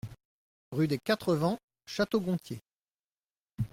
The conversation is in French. Rue des Quatres Vents, Château-Gontier